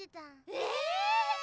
え！